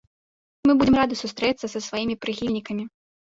Мы будзем рады сустрэцца са сваімі прыхільнікамі!